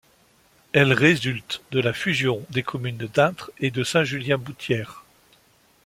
Elle résulte de la fusion des communes d'Intres et de Saint-Julien-Boutières.